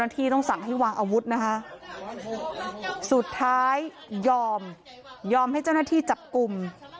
ที่ต้องสั่งให้วางอาวุธนะคะสุดท้ายยอมยอมให้เจ้าหน้าที่จับกลุ่ม